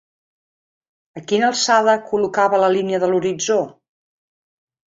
A quina alçada col·locava la línia de l'horitzó?